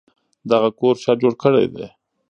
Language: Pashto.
دغه کور چا جوړ کړی دی؟